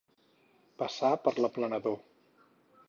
Passar per l'aplanador.